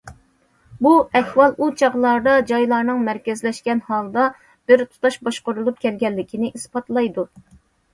بۇ ئەھۋال ئۇ چاغلاردا جايلارنىڭ مەركەزلەشكەن ھالدا بىر تۇتاش باشقۇرۇلۇپ كەلگەنلىكىنى ئىسپاتلايدۇ.